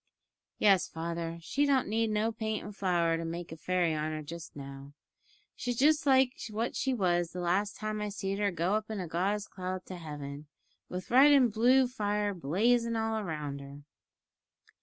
"Yes, father, she don't need no paint and flour to make a fairy on her just now. She's just like what she was the last time I seed her go up in a gauze cloud to heaven, with red and blue fire blazin' all round her."